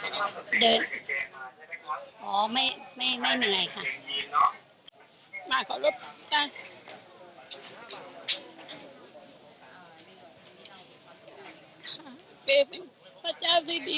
ขอบคุณค่ะเป็นพระเจ้าดีมากค่ะ